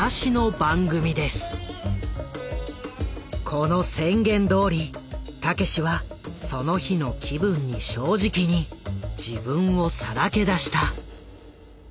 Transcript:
この宣言どおりたけしはその日の気分に正直に自分をさらけ出した。